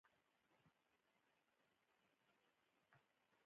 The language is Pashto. زه بېځايه کثافات نه اچوم.